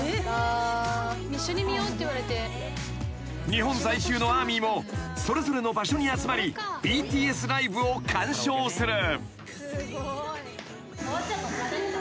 ［日本在住のＡＲＭＹもそれぞれの場所に集まりＢＴＳライブを観賞する］